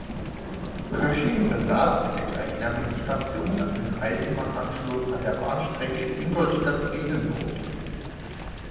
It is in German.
Kösching besaß mit der gleichnamigen Station einen Eisenbahnanschluss an der Bahnstrecke Ingolstadt–Riedenburg.